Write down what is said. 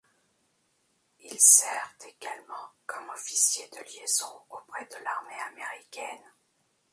Il sert également comme officier de liaison auprès de l'Armée américaine.